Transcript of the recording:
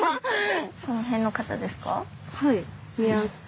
はい。